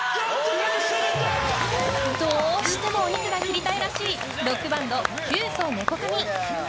どうしてもお肉が切りたいらしいロックバンド、キュウソネコカミ。